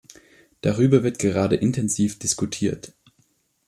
Darüber wird gerade intensiv diskutiert.